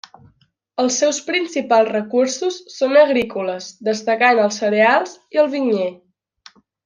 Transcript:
Els seus principals recursos són agrícoles, destacant els cereals i el vinyer.